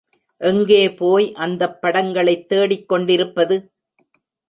எங்கே போய் அந்தப் படங்களைத் தேடிக் கொண்டிருப்பது?